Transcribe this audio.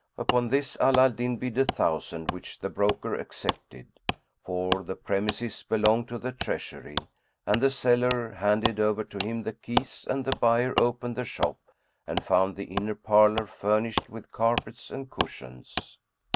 Upon this Ala al Din bid a thousand which the broker accepted, for the premises belonged to the Treasury; and the seller handed over to him the keys and the buyer opened the shop and found the inner parlour furnished with carpets and cushions.